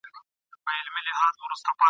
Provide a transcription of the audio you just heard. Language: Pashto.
زه له هغه ښاره راغلم چي ملاله یې ګونګۍ ده !.